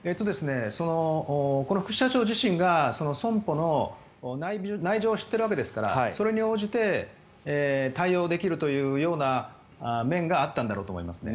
この副社長自身が損保の内情を知っているのでそれに応じて対応できるというような面があったんだろうと思いますね。